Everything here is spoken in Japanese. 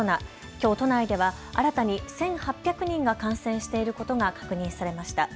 きょう都内では新たに１８００人が感染していることが確認されました。